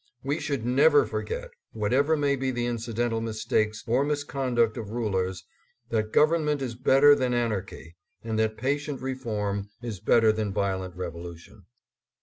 We should never forget, whatever may be the incidental mistakes or misconduct of rulers, that government is better than anarchy, and that patient reform is better than violent revolution.